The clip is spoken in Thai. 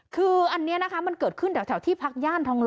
คืออันนี้นะคะมันเกิดขึ้นแถวที่พักย่านทองห